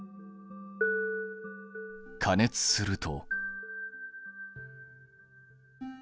加熱すると。